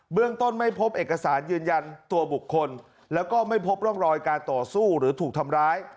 เรื่องต้นไม่พบเอกสารยืนยันตัวบุคคลแล้วก็ไม่พบร่องรอยการต่อสู้หรือถูกทำร้าย